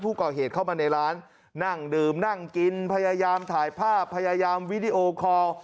เข้ามาในร้านนั่งดื่มนั่งกินพยายามถ่ายภาพพยายามวิดีโอคอล